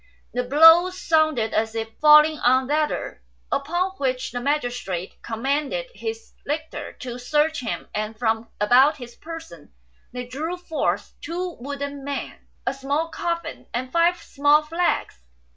The blows sounded as if falling on leather, upon which the magi strate commanded his lictors to search him; and from about his person they drew forth two wooden men, a small coffin, and five small flags.